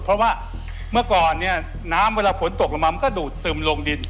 เพราะว่าเมื่อก่อนเนี่ยน้ำเวลาฝนตกลงมามันก็ดูดซึมลงดิน